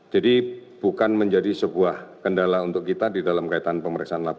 jadi bukan menjadi sebuah kendala untuk kita di dalam kaitan pemeriksaan